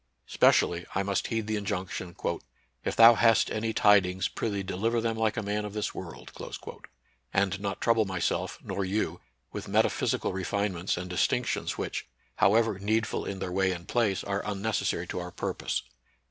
Specially I must heed the injunction :" If thou hast any tidings, prithee, deliver them like a man of this world," and not trouble myself, nor you, with meta physical refinements and distinctions which, however needful in their way and place, are unnecessary to our purpose.